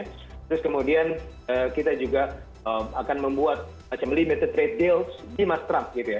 terus kemudian kita juga akan membuat limited trade deal di mask trump